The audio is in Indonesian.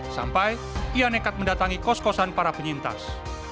sampai ia nekat mendatangi kos kosan para penyintas